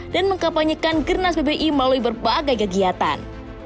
dan mengkapanyekan gernas bbi melalui berbagai kegiatan